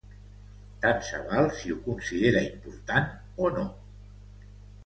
Tant se val si ho considera important o no.